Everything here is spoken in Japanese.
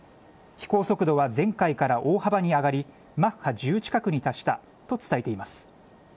飛行速度は前回から大幅に上がり、マッハ１０近くに達したと伝えています。